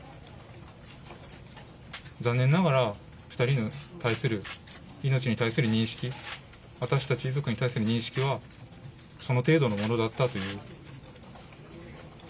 残念ながら、２人に対する、命に対する認識、私たち遺族に対する認識は、その程度のものだったという。